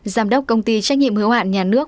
giám đốc công ty trách nhiệm hứa hoạn nhà nước